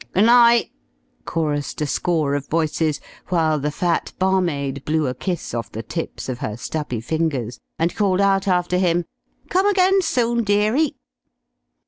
"Good night," chorused a score of voices, while the fat barmaid blew a kiss off the tips of her stubby fingers, and called out after him: "Come again soon, dearie."